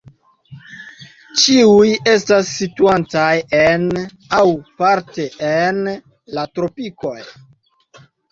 Ĉiuj estas situantaj en, aŭ parte en, la tropikoj.